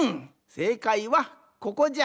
せいかいはここじゃ！